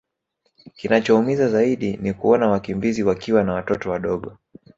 Kinachoumiza zaidi ni kuona wakimbizi wakiwa na watoto wadogo